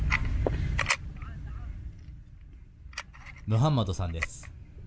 ムハンマドさんです。